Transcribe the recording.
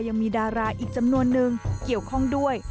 ยังมีดาราอีกจำนวนนึงเกี่ยวข้องด้วย